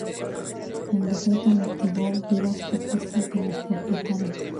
El decreto motivó vivas protestas de los propietarios.